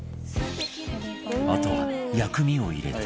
あとは薬味を入れて